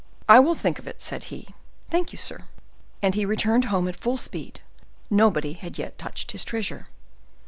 "I will think of it," said he; "thank you, sir." And he returned home at full speed; nobody had yet touched his treasure.